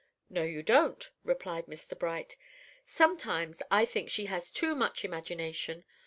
"No, you don't," replied Mr. Bright. "Sometimes I think she has too much imagination.